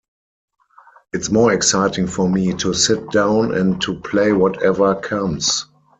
It's more exciting for me to sit down and to play whatever comes.